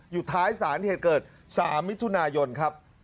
อยู่ท้ายศาลที่เกิดสามมิถุนายนครับ